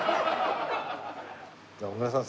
じゃあ小倉さん